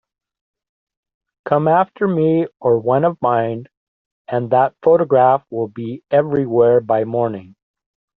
Come after me or one of mine, and that photograph will be everywhere by morning.